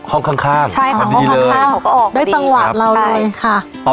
ห้องข้างข้างใช่ค่ะห้องข้างข้างเขาก็ออกด้วยจังหวะเราเลยค่ะ